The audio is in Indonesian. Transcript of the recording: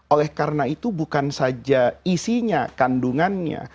oleh karena itu bukan saja isinya kandungannya